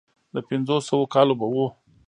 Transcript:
د پينځوسو کالو به و.